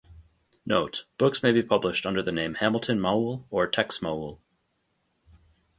Note: books may be published under the name "Hamilton Maule" or "Tex Maule"